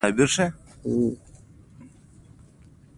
په دې لوست کې مو د کار د اهمیت په اړه څه ولوستل.